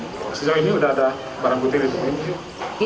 sejak ini sudah ada barang bukti di tempat ini